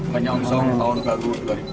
menyongsong tahun baru dua ribu dua puluh